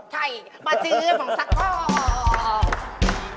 ใช่มาซื้อผงสักฟอก